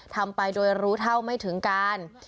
ทำไปโดยรู้เท่าไม่ถึงการ